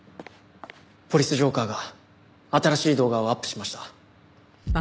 「ポリス浄化ぁ」が新しい動画をアップしました。